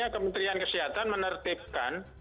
kementerian kesehatan menertibkan